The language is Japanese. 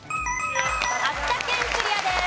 秋田県クリアです。